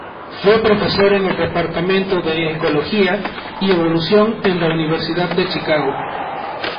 Fue profesor en el Departamento de Ecología y Evolución en la Universidad de Chicago.